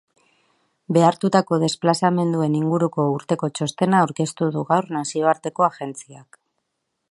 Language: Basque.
Behartutako desplazamenduen inguruko urteko txostena aurkeztu du gaur nazioarteko agentziak.